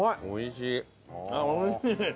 おいしい。